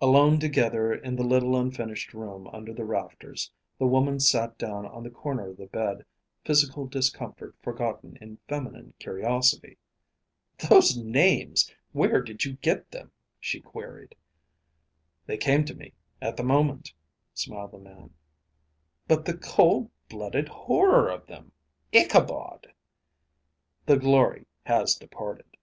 Alone together in the little unfinished room under the rafters, the woman sat down on the corner of the bed, physical discomfort forgotten in feminine curiosity. "Those names where did you get them?" she queried. "They came to me at the moment," smiled the man. "But the cold blooded horror of them!... Ichabod!" "The glory has departed."